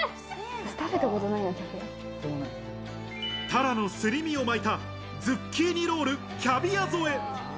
タラのすり身を巻いたズッキーニロールキャビア添え。